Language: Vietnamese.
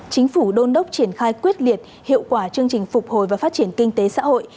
chính phủ đôn đốc triển khai quyết liệt hiệu quả chương trình phục hồi và phát triển kinh tế xã hội